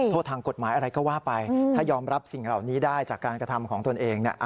โทษทางกฎหมายอะไรก็ว่าไปถ้ายอมรับสิ่งเหล่านี้ได้จากการกระทำของตนเองเนี่ย